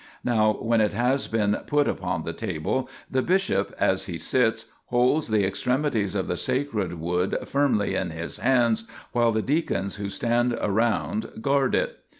Now, when it has been put upon the table, the bishop, as he sits, holds the extremities of the sacred wood firmly in his hands, while the deacons who stand around guard it.